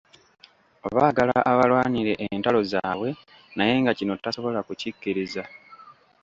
Baagala abalwanire entalo zaabwe naye nga kino tasobola kukikkiriza.